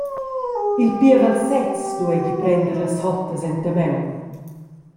Il pievel sez dueigi prender las hottas enta maun.